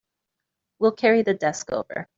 We'll carry the desk over.